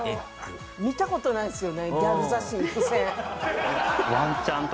見た事ないですよね